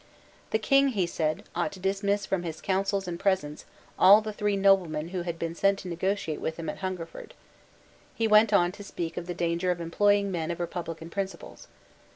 The King, he said, ought to dismiss from his counsels and presence all the three noblemen who had been sent to negotiate with him at Hungerford. He went on to speak of the danger of employing men of republican principles.